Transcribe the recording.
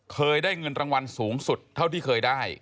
เคยได้เงินรางวัลสูงสุดเท่าที่เคยได้